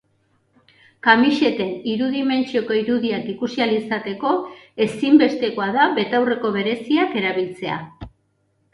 Kamiseten hiru dimentsioko irudiak ikusi ahal izateko ezinbestekoa da betaurreko bereziak erabiltzea.